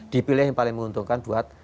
dipilih yang paling menguntungkan buat